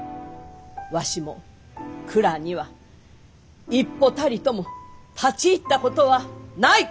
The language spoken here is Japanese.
わしも蔵には一歩たりとも立ち入ったことはない！